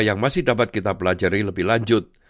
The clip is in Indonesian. yang masih dapat kita pelajari lebih lanjut